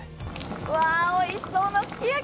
うわ、おいしそうなすき焼き。